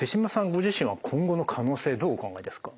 ご自身は今後の可能性どうお考えですか？